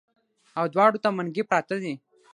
او دواړو ته منګي پراتۀ دي